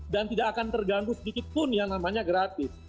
dan tidak akan terganggu sedikit pun yang namanya gratis